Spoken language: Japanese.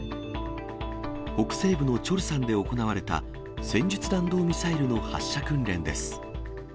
北西部のチョルサンで行われた、戦術弾道ミサイルの発射訓練です。